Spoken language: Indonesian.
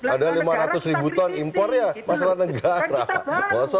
ada lima ratus ribu ton impor ya masalah negara